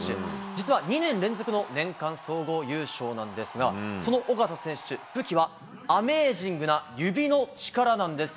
実は２年連続の年間総合優勝なんですが、その緒方選手、武器はアメージングな指の力なんです。